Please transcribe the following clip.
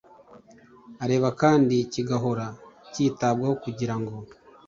areba kandi kigahora cyitabwaho kugira ngo